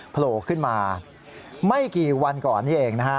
โผล่ขึ้นมาไม่กี่วันก่อนนี่เองนะฮะ